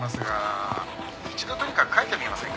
「一度とにかく書いてみませんか？」